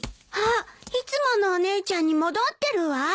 あっいつものお姉ちゃんに戻ってるわ。